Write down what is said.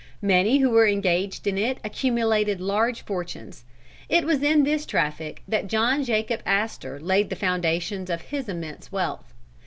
Many who were engaged in it accumulated large fortunes. It was in this traffic that John Jacob Astor laid the foundations of his immense wealth.